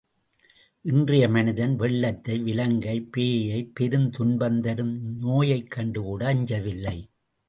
இன்றைய மனிதன் வெள்ளத்தை விலங்கை பேயை பெருந்துன்பந்தரும் நோயைக் கண்டுகூட அஞ்சவில்லை.